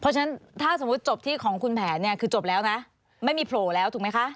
เพราะฉะนั้นถ้าสมมุติจบที่ของคุณแผนเนี่ยคือจบแล้วนะไม่มีโผล่แล้วถูกไหมคะ